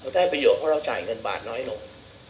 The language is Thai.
ได้ประโยชนเพราะเราจ่ายเงินบาทน้อยลง